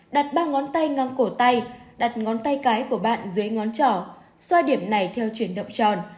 đặt ba ngón tay ngang cổ tay đặt ngón tay cái của bạn dưới ngón trò xoa điểm này theo chuyển động tròn